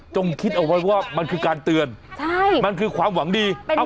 คิดเอาไว้ว่ามันคือการเตือนใช่มันคือความหวังดี